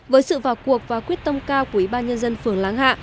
với sự vào cuộc và quyết tâm cao của ủy ban nhân dân phường láng hạ